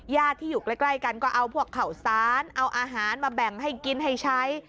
ญาติที่อยู่ใกล้กันก็เอาพวกข่าวสารเอาอาหารมาแบ่งให้กินให้ใช้